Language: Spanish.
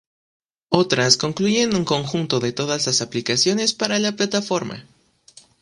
Otras incluyen un conjunto de todas las aplicaciones para la plataforma.